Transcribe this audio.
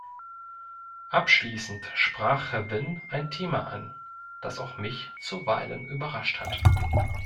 Abschließend sprach Herr Wynn ein Thema an, das auch mich zuweilen überrascht hat.